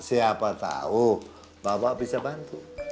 siapa tahu bapak bisa bantu